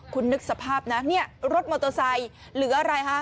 คุณนึกสภาพนะเนี่ยรถมอเตอร์ไซค์หรืออะไรฮะ